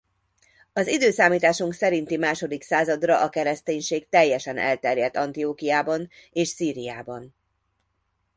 Az időszámításunk szerinti második századra a kereszténység teljesen elterjedt Antiókhiában és Szíriában.